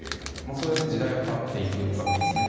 そうやって時代は変わっていくわけですね。